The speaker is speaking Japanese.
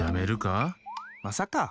まさか！